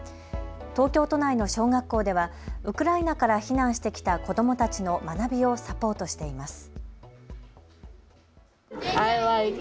東京都内の小学校ではウクライナから避難してきた子どもたちの学びをサポートしています。